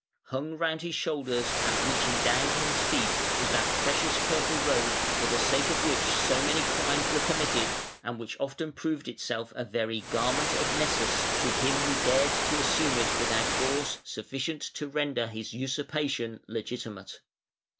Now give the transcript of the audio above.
Hung round his shoulders and reaching down to his feet was that precious purple robe, for the sake of which so many crimes were committed, and which often proved itself a very "garment of Nessus" to him who dared to assume it without force sufficient to render his usurpation legitimate.